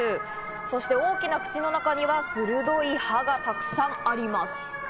そして大きな口の中には鋭い歯がたくさんあります。